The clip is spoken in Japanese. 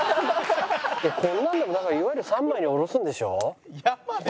こんなんでもだからいわゆる三枚におろすんでしょ？